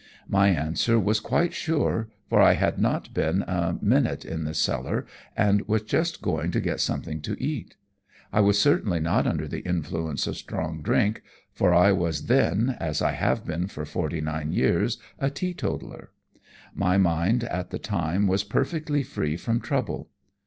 My answer was quite sure, for I had not been a minute in the cellar, and was just going to get something to eat. I was certainly not under the influence of strong drink, for I was then, as I have been for forty nine years, a teetotaler. My mind at the time was perfectly free from trouble.